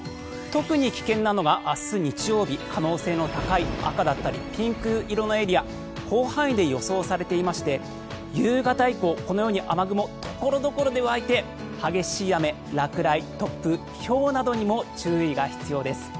特に危険なのが明日、日曜日可能性の高い赤だったりピンク色のエリア広範囲で予想されていまして夕方以降このように雨雲、所々で湧いて激しい雨、落雷、突風ひょうなどにも注意が必要です。